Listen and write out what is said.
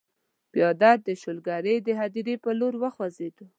پیاده د شولګرې د هډې پر لور وخوځېدو.